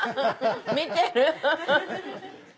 見てる。